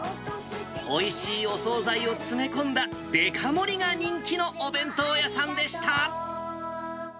おいしいお総菜を詰め込んだ、でか盛りが人気のお弁当屋さんでした。